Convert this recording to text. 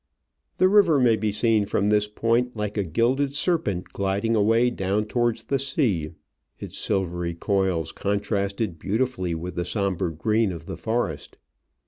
The river may be seen from this point like a gilded serpent gliding away down towards the sea, its silvery coils contrasted beautifully with the sombre green of the forest.